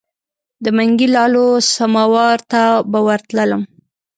د منګي لالو سماوار ته به ورتللم.